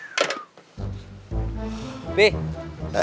semua s tackle dan